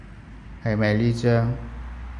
係咪呢張？